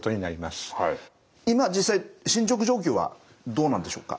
今実際進捗状況はどうなんでしょうか？